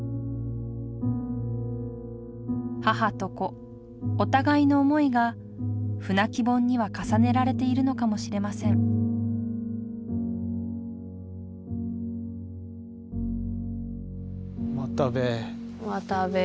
母と子お互いの想いが「舟木本」には重ねられているのかもしれません又兵衛。